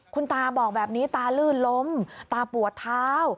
คุณตาบอกแบบนี้ตาลื่นล้มตาปวดเท้า